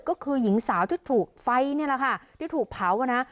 ก็คือหญิงสาวที่ถูกไฟละค่ะที่ถูกเผานะ